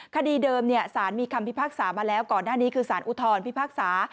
คดีเดิมสารมีคำพิพากษามาแล้วก่อนหน้านี้คือสารอุทธรพิพากษา